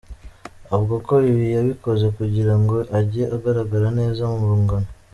Avuga ko ibi yabikoze kugira ngo ajye agarara neza mu rungano.